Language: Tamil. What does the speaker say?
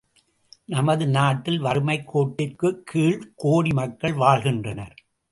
நமது நாட்டில் வறுமைக் கோட்டிற்குக் கீழ் கோடி மக்கள் வாழ்கின்றனர்.